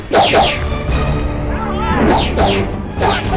apakah kau ingin granny sudah langsung pawang